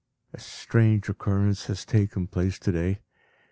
_ A strange occurrence has taken place to day.